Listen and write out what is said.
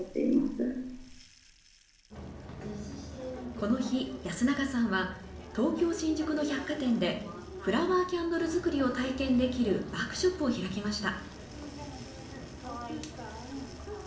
この日、安永さんは東京・新宿の百貨店でフラワーキャンドル作りを体験できるワークショップを開きました。